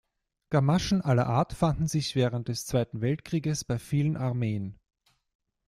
Gamaschen aller Art fanden sich während des Zweiten Weltkrieges bei vielen Armeen.